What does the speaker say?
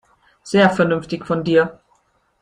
Sehr vernünftig von dir.